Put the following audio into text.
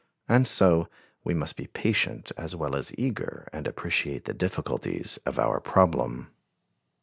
And so, we must be patient as well as eager and appreciate the difficulties of our problem.